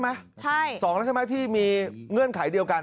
๒แล้วใช่ไหมที่มีเงื่อนไขเดียวกัน